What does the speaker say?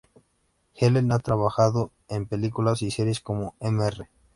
Helen ha trabajado en películas y series como "Mr.